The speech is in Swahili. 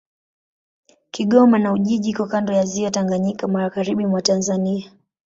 Kigoma na Ujiji iko kando ya Ziwa Tanganyika, magharibi mwa Tanzania.